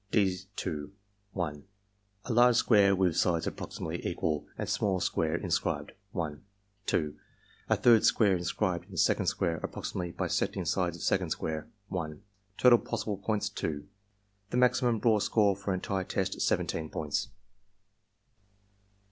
(d^) L A large square with sides approximately equal, and small square inscribed 1 2. A third square inscribed in second square approximately bisecting sides of second square 1 Total possible points, 2. The maximum raw score for entire test, 17 points.